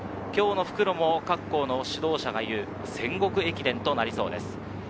今日の復路も各校の指導者がいう戦国駅伝となりそうです。